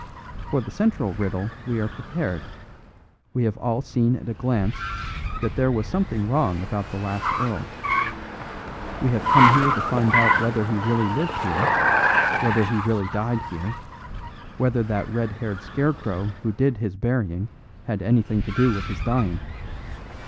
For the central riddle we are prepared; we have all seen at a glance that there was something wrong about the last earl. We have come here to find out whether he really lived here, whether he really died here, whether that red haired scarecrow who did his burying had anything to do with his dying.